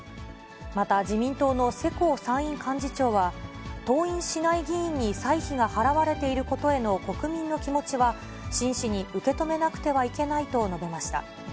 また、自民党の世耕参院幹事長は、登院しない議員に歳費が払われていることへの国民の気持ちは、真摯に受け止めなくてはいけないと述べました。